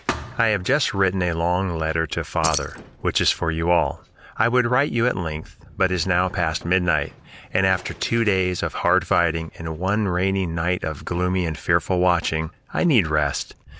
"I have just written a long letter to father, which is for you all. I would write you at length, but it is now past midnight, and after two days of hard fighting and one rainy night of gloomy and fearful watching, I need rest.